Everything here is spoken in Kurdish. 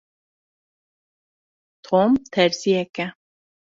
Tom terziyek e.